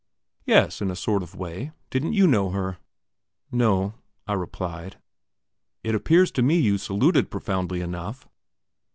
"Yes, in a sort of way. Didn't you know her?" "No," I replied. "It appears to me you saluted profoundly enough."